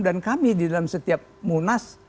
dan kami di dalam setiap munas